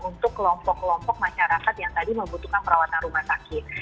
untuk kelompok kelompok masyarakat yang tadi membutuhkan perawatan rumah sakit